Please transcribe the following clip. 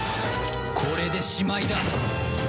これでしまいだ。